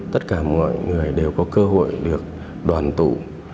tất cả mọi người đều có cơ hội được đoàn tụ